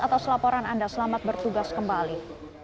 atas laporan anda selamat bertugas kembali